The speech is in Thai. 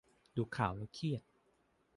ดูข่าวแล้วเครียด